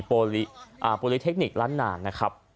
โปรลิเทคนิคล้านหนานนะครับ